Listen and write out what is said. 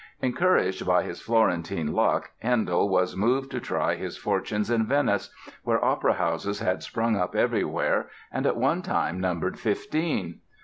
Encouraged by his Florentine luck Handel was moved to try his fortunes in Venice, where opera houses had sprung up everywhere and at one time numbered fifteen.